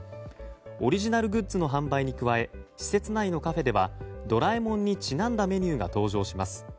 オリジナルグッズの販売に加え施設内のカフェでは「ドラえもん」にちなんだメニューが登場します。